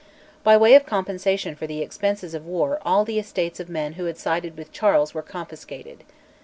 By way of compensation for the expenses of war all the estates of men who had sided with Charles were confiscated.